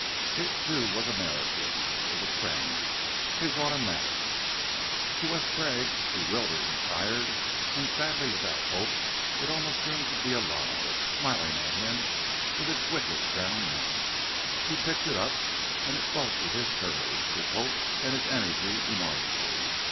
It too was American. It was a friend his automatic! To Wes Craig, bewildered and tired and sadly without hope, it almost seemed to be alive, smiling at him with its wicked round mouth. He picked it up, and it bolstered his courage, his hope and his energy enormously.